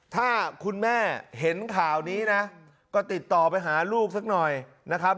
ถ้าคุณแม่เห็นข่าวนี้นะก็ติดต่อไปหาลูกสักหน่อยนะครับ